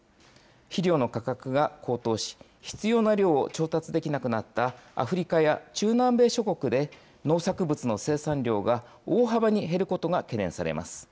肥料の価格が高騰し、必要な量を調達できなくなったアフリカや中南米諸国で、農作物の生産量が大幅に減ることが懸念されます。